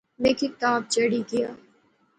میں کی تپ چڑھی گیا